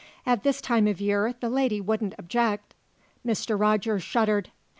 "At this time of year the lady wouldn't object " Mr. Rogers shuddered.